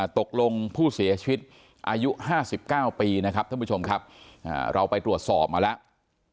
ตกลงผู้เสียชีวิตอายุ๕๙ปีนะครับท่านผู้ชมครับเราไปตรวจสอบมาแล้ว